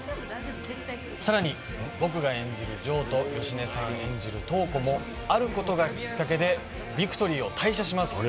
更に僕が演じる城と芳根さん演じる塔子があることがきっかけでビクトリーを退社します。